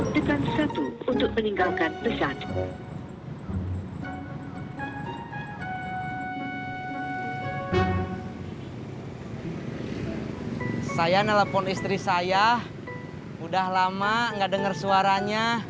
saya nelfon istri saya udah lama gak denger suaranya